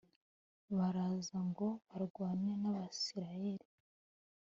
Baraza ngo barwane n’Abisirayeli